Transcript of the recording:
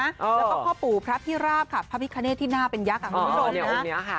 แล้วก็พ่อปู่พระพิราบค่ะพระพิคเนตที่น่าเป็นยักษ์คุณผู้ชมนะ